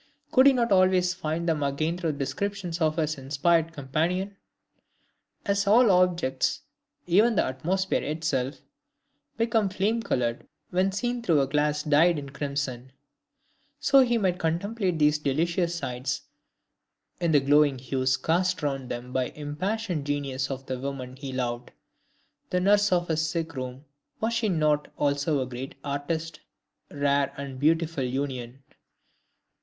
Could he not always find them again through the descriptions of his inspired companion? As all objects, even the atmosphere itself, become flame colored when seen through a glass dyed in crimson, so he might contemplate these delicious sites in the glowing hues cast around them by the impassioned genius of the woman he loved. The nurse of his sick room was she not also a great artist? Rare and beautiful union!